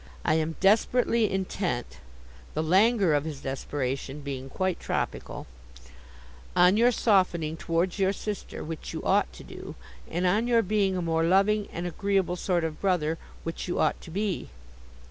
I am desperately intent;' the languor of his desperation being quite tropical; 'on your softening towards your sister—which you ought to do; and on your being a more loving and agreeable sort of brother—which you ought to be.